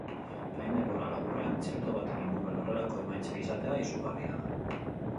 Hain denbora laburrean, txerto baten inguruan horrelako emaitzak izatea izugarria da.